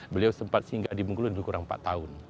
beliau sempat singgah di bungkulu selama kurang empat tahun